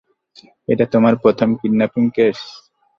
এটা তোমার প্রথম কিডন্যাপিং কেস?